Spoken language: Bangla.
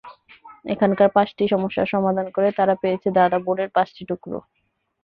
এখানকার পাঁচটি সমস্যার সমাধান করে তারা পেয়েছে ধাঁধা বোর্ডের পাঁচটি টুকরো।